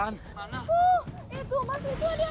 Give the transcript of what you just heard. tenang pak tenang